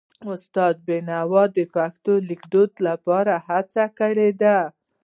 استاد بینوا د پښتو لیکدود لپاره هڅې کړې دي.